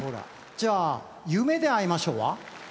じゃあ『夢であいましょう』は？